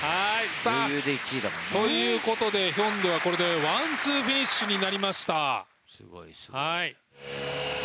ということでヒョンデはこれでワンツーフィニッシュになりました。